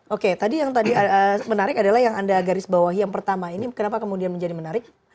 oke tadi yang tadi menarik adalah yang anda garis bawahi yang pertama ini kenapa kemudian menjadi menarik